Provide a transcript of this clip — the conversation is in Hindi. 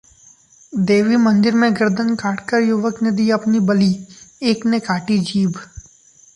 देवी मंदिर में गर्दन काटकर युवक ने दी अपनी बलि, एक ने काटी जीभ